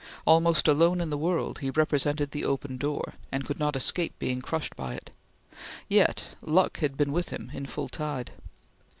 Almost alone in the world, he represented the "open door," and could not escape being crushed by it. Yet luck had been with him in full tide.